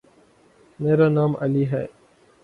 میرا نام علی ہے۔